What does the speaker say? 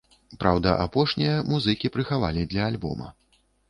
Праўда, апошнія музыкі прыхавалі для альбома.